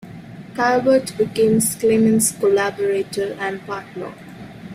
Calvert became Schliemann's collaborator and partner.